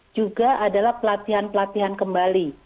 juga adalah pelatihan pelatihan kembali